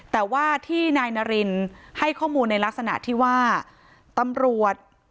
แต่ว่าที่นายนารินให้ข้อมูลในลักษณะที่ว่าตำรวจ